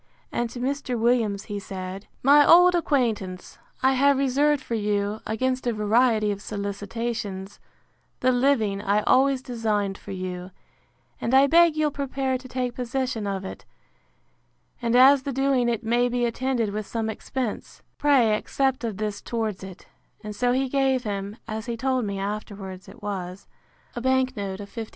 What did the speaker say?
And to Mr. Williams he said, My old acquaintance, I have reserved for you, against a variety of solicitations, the living I always designed for you; and I beg you'll prepare to take possession of it; and as the doing it may be attended with some expense, pray accept of this towards it; and so he gave him (as he told me afterwards it was) a bank note of 50l.